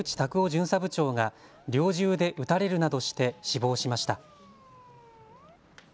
巡査部長が猟銃で撃たれるなどして死亡しました。